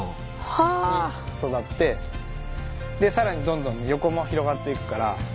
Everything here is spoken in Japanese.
はあ。に育ってさらにどんどん横も広がっていくから。